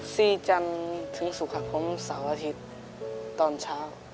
ซีจันทึงสุขครับผมเสาร์อาทิตย์ตอนเช้า